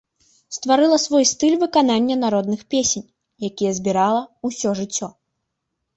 Стварыла свой стыль выканання народных песень, якія збірала ўсё жыццё.